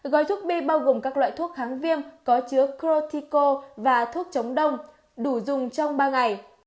gói thuốc bi bao gồm các loại thuốc kháng viêm có chứa crotico và thuốc chống đông đủ dùng trong ba ngày